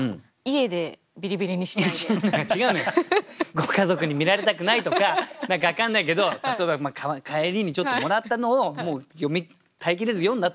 ご家族に見られたくないとか何か分かんないけど例えば帰りにちょっともらったのを耐えきれず読んだとか。